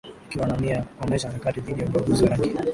Ikiwa na nia ya kukomesha harakati dhidi ya ubaguzi wa rangi